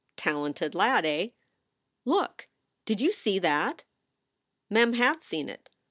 Talented lad, eh ? Look ! Did you see that ? Mem had seen it.